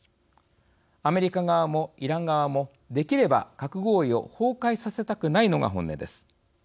アメリカ側もイラン側もできれば核合意を崩壊させたくないのが本音です。